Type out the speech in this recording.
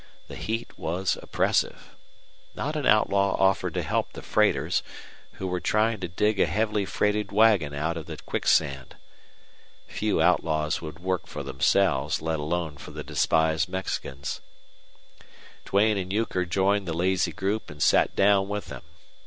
The heat was oppressive. Not an outlaw offered to help the freighters, who were trying to dig a heavily freighted wagon out of the quicksand. Few outlaws would work for themselves, let alone for the despised Mexicans. Duane and Euchre joined the lazy group and sat down with them.